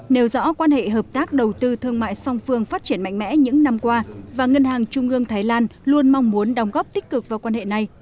nêu rõ quan hệ hợp tác đầu tư thương mại song phương phát triển mạnh mẽ những năm qua và ngân hàng trung ương thái lan luôn mong muốn đồng góp tích cực vào quan hệ này